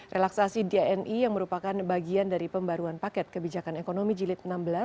relaksasi dni yang merupakan bagian dari pembaruan paket kebijakan ekonomi jilid enam belas